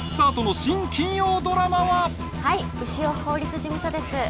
はい潮法律事務所です